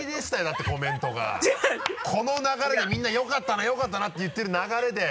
この流れでみんな「よかったなよかったな」って言ってる流れで！